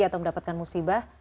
atau mendapatkan musibah